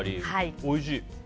おいしい。